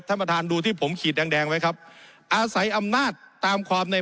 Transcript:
ท่านประธานดูที่ผมขีดแดงแดงไว้ครับอาศัยอำนาจตามความใน